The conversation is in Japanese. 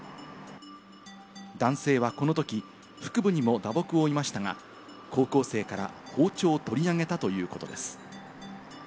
男性はこのとき、腹部にも打撲を負いましたが、高校生から包丁を取り上げたということです。